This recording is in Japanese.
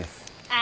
あ！